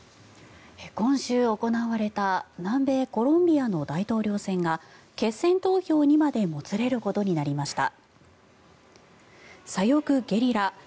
今週行われた南米コロンビアの大統領選が決選投票にまでもつれ込むことになりました。